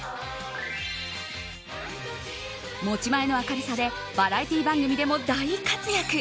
持ち前の明るさでバラエティー番組でも大活躍。